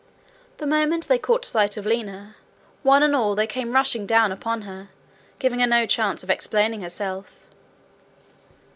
The moment they caught sight of Lina, one and all they came rushing down upon her, giving her no chance of explaining herself.